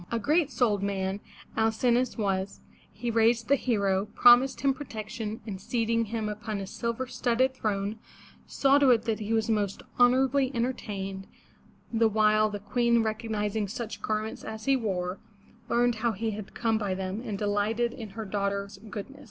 '' A great souled man Al cin'o us was; he raised the hero, promised him protection, and seating him upon a silver studded throne, saw to it that he was most honorably entertained, the while the Queen, recognizing such garments as he wore, learned how he had come by them, and delighted in her daughter's goodness.